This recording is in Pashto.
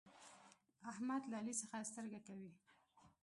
احمد له علي څخه سترګه کوي.